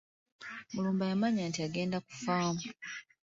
Mulumba yamanya nti agenda kufa.